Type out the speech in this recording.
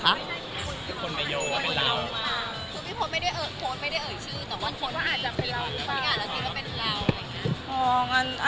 คือพี่พลไม่ได้เอ่อโพสไม่ได้เอ๋ยชื่อแต่ว่าโพสว่าอาจจะเป็นร้านแล้วค่ะ